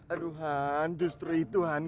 aduh han justru itu han